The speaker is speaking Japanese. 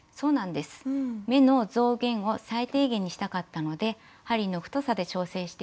目の増減を最低限にしたかったので針の太さで調整しています。